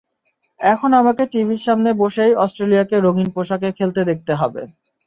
এখন আমাকে টিভির সামনে বসেই অস্ট্রেলিয়াকে রঙিন পোশাকে খেলতে দেখতে হবে।